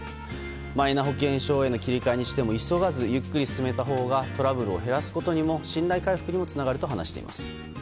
マイナ保険証への切り替えにしても急がずゆっくり進めたほうがトラブルを減らすことにも信頼回復につながると話しています。